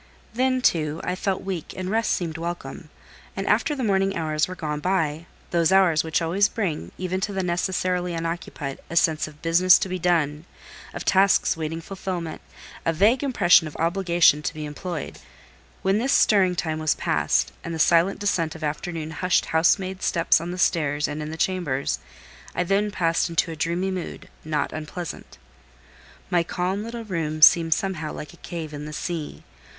Then, too, I felt weak, and rest seemed welcome; and after the morning hours were gone by,—those hours which always bring, even to the necessarily unoccupied, a sense of business to be done, of tasks waiting fulfilment, a vague impression of obligation to be employed—when this stirring time was past, and the silent descent of afternoon hushed housemaid steps on the stairs and in the chambers, I then passed into a dreamy mood, not unpleasant. My calm little room seemed somehow like a cave in the sea.